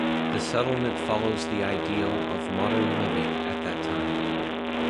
The settlement follows the ideal of "modern living" at that time.